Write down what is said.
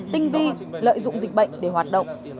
tinh vi lợi dụng dịch bệnh để hoạt động